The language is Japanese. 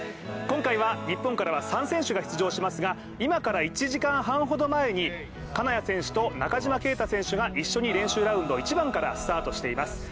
今回は日本からは３選手が出場しますが今から１時間半ほど前に金谷選手と中島選手が一緒に練習ラウンド、１番からスタートしています。